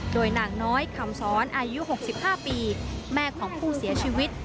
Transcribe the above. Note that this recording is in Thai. โดยนางน้อยคำสอนอายุ๖๕ปีแม่ของผู้เสียชีวิต